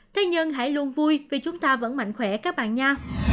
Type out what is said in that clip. thế nhưng hãy luôn vui vì chúng ta vẫn mạnh khỏe các bạn nhé